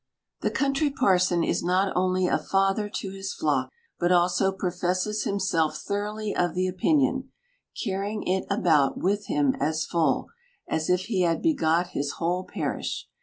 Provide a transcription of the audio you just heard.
The Country Parson is not only a father to his flock, but also professes himself throughly of the opinion, car rying it about with him as full, as if he had begot his whole parish.